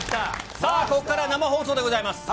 さあ、ここからは生放送でございます。